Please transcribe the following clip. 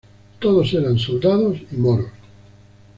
Todo eran soldados y moros.